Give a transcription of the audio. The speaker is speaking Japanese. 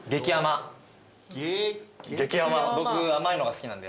僕甘いのが好きなんで。